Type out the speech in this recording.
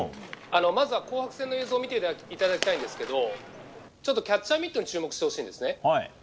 まずは紅白戦の映像を見てほしいんですけどちょっとキャッチャーミットに注目してください。